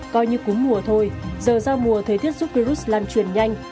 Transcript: coi như cúm mùa thôi giờ ra mùa thế thiết giúp virus lan truyền nhanh